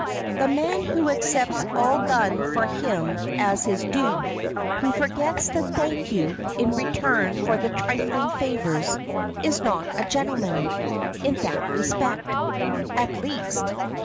The man who accepts all done for him as his due, who forgets the "thank you" in return for the trifling favors, is not a gentleman—in that respect, at least.